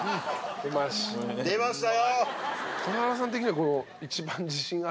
出ましたよ。